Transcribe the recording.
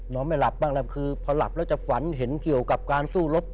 ไม่หลับบ้างแล้วคือพอหลับแล้วจะฝันเห็นเกี่ยวกับการสู้รบ